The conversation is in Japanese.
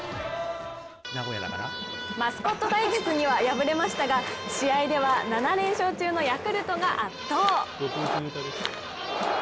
マスコット対決には敗れましたが試合では７連勝中のヤクルトが圧倒。